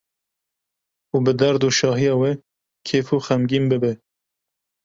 û bi derd û şahiya we kêf û xemgîn bibe.